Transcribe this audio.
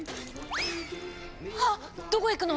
あっどこ行くの⁉